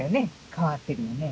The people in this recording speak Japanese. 変わってるよね。